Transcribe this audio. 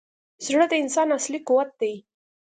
زړه د انسان اصلي قوت دی.